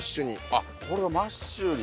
あっこれをマッシュに。